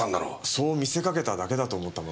そう見せかけただけだと思ったもので。